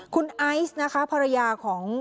คุณไอซ์นะคะภรรยาของ